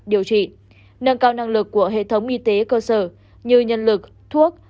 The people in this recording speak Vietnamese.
điều trị nâng cao năng lực của hệ thống y tế cơ sở như nhân lực thuốc